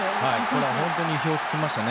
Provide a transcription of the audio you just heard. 本当に意表を突きましたね。